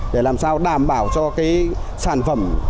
để làm sao đảm bảo cho cái sản phẩm